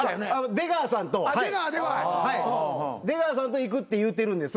出川さんと行くって言うてるんです。